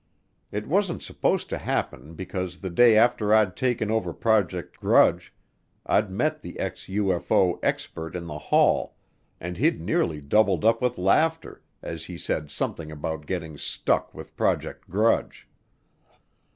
It wasn't supposed to happen because the day after I'd taken over Project Grudge I'd met the ex UFO "expert" in the hall and he'd nearly doubled up with laughter as he said something about getting stuck with Project Grudge.